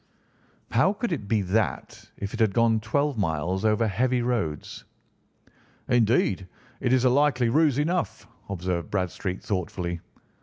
How could it be that if it had gone twelve miles over heavy roads?" "Indeed, it is a likely ruse enough," observed Bradstreet thoughtfully.